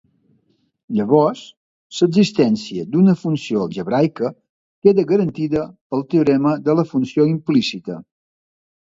Llavors l'existència d'una funció algebraica queda garantida pel teorema de la funció implícita.